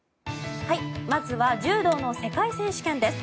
まずは柔道の世界選手権です。